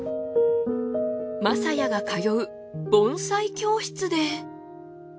雅也が通う盆栽教室で。